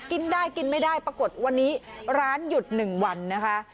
กินได้กินไม่ได้ปรากฏวันนี้ร้านหยุด๑วันนะคะ